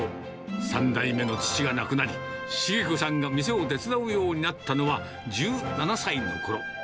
３代目の父が亡くなり、重子さんが店を手伝うようになったのは１７歳のころ。